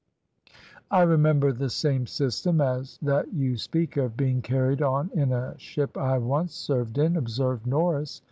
"I remember the same system as that you speak of being carried on in a ship I once served in," observed Norris.